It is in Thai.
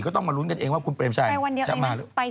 ก็ต้องมาลุ้นกันเองว่าคุณเปรมชัยจะมาหรือเปล่า